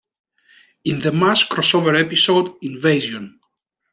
In the mass crossover episode Invasion!